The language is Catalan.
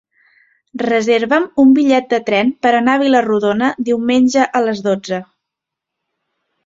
Reserva'm un bitllet de tren per anar a Vila-rodona diumenge a les dotze.